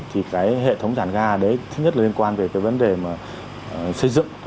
thì hệ thống giàn ga thứ nhất liên quan về vấn đề xây dựng